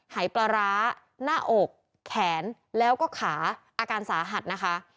หายปลาร้าหน้าอกแขนแล้วก็ขาอาการสาหัสนะคะ